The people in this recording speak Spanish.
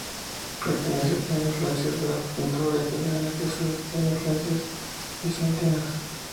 Parece tener influencias de la pintura italiana que a su vez tiene influencias bizantinas.